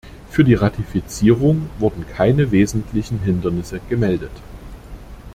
Für die Ratifizierung wurden keine wesentlichen Hindernisse gemeldet.